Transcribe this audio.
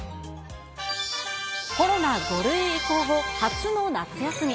コロナ５類移行後、初の夏休み。